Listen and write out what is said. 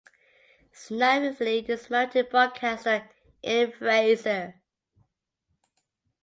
Snively is married to broadcaster Ian Fraser.